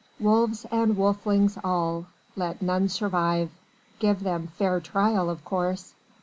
Wolves and wolflings all! Let none survive. Give them fair trial, of course.